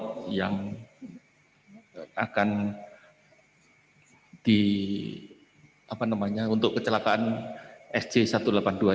selanjutnya kapten nur jahyo akan menyampaikan ke anda